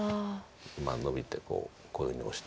まあノビてこういうふうにオシていって。